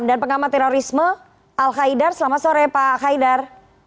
dan pengamat terorisme al khaidar selamat sore pak haidar